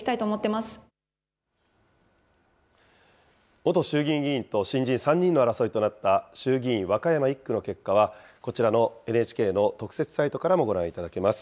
元衆議院議員と新人３人の争いとなった衆議院和歌山１区の結果は、こちらのＮＨＫの特設サイトからもご覧いただけます。